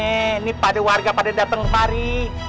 ini pada warga pada datang kemari